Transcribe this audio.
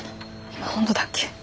今本土だっけ。